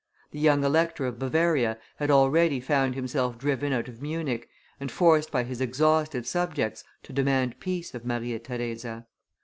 The young Elector of Bavaria had already found himself driven out of Munich, and forced by his exhausted subjects to demand peace of Maria Theresa.